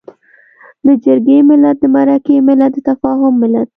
د جرګې ملت، د مرکې ملت، د تفاهم ملت.